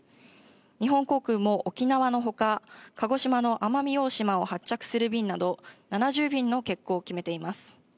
日本航空も沖縄のほか、鹿児島の奄美大島を発着する便など、７０便の欠航を決めています。